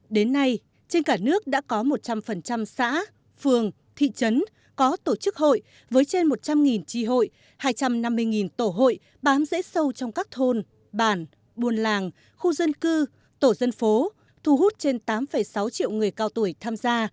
đến nay trên cả nước đã có một trăm linh xã phường thị trấn có tổ chức hội với trên một trăm linh tri hội hai trăm năm mươi tổ hội bám dễ sâu trong các thôn bản buôn làng khu dân cư tổ dân phố thu hút trên tám sáu triệu người cao tuổi tham gia